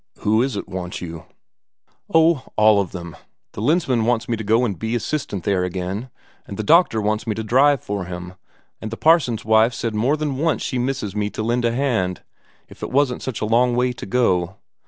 "Who is it wants you?" asked Isak. "Oh, all of them. The Lensmand wants me to go and be assistant there again, and the doctor wants me to drive for him, and the parson's wife said more than once she misses me to lend a hand, if it wasn't such a long way to go.